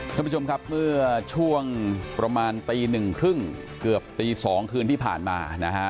ท่านผู้ชมครับเมื่อช่วงประมาณตีหนึ่งครึ่งเกือบตี๒คืนที่ผ่านมานะฮะ